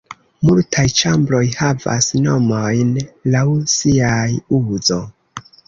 Multaj ĉambroj havas nomojn laŭ siaj uzo.